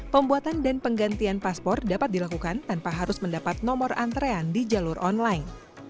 pembuatan dan penggantian paspor dapat dilakukan tanpa harus mendapat nomor antrean di jalur online